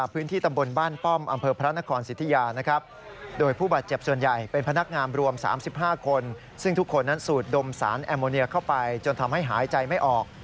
เพราะฉะนั้นสูดดมสารแอมโมเนียเข้าไปจนทำให้หายใจไม่ออก